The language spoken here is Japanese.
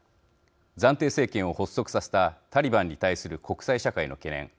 暫定政権を発足させたタリバンに対する国際社会の懸念。